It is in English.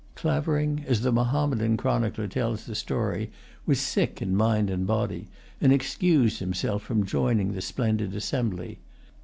Clavering, as the Mahommedan chronicler tells the story, was sick in mind and body, and excused himself from joining the splendid assembly.